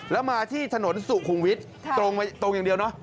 แล้วมาที่ถนนสุขุมวิทย์ตรงอย่างเดียวเนอะ